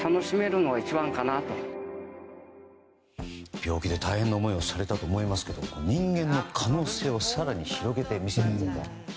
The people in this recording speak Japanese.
病気で大変な思いをされたと思いますが人間の可能性を更に広げてみせると。